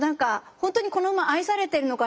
本当にこの馬愛されているのかな